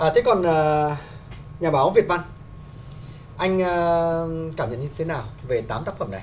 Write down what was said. thế còn nhà báo việt văn anh cảm nhận như thế nào về tám tác phẩm này